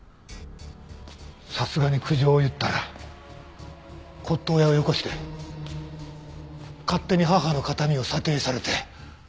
さすがに苦情を言ったら骨董屋をよこして勝手に母の形見を査定されて。